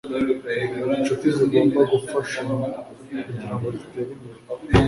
Inshuti zigomba gufashanya kugirango zitere imbere.